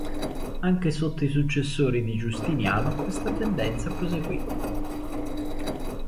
Anche sotto i successori di Giustiniano, questa tendenza proseguì.